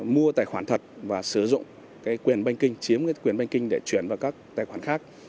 mua tài khoản thật và sử dụng quyền banh kinh chiếm quyền banh kinh để chuyển vào các tài khoản khác